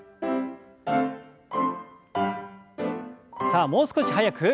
さあもう少し速く。